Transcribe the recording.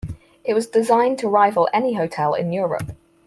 It was designed to rival any hotel in Europe.